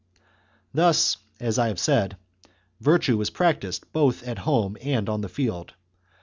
CHAP. IX. Thus, as I have said, virtue was practised both at home and on the field.